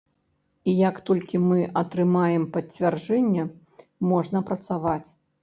І як толькі мы атрымаем пацвярджэнне, можна працаваць.